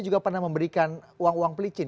juga pernah memberikan uang uang pelicin